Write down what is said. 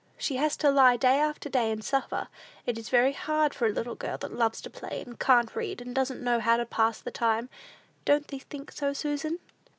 She has to lie day after day and suffer. It is very hard for a little girl that loves to play, and can't read, and doesn't know how to pass the time; don't thee think so, Susan?"